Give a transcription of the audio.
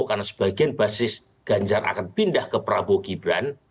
karena sebagian basis ganjar akan pindah ke prabowo gibran